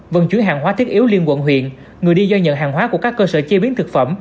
vận chuyển hàng hóa thiết yếu liên quận huyện người đi giao nhận hàng hóa của các cơ sở chế biến thực phẩm